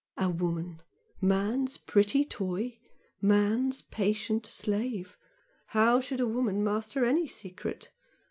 A woman! Man's pretty toy! man's patient slave! How should a woman master any secret!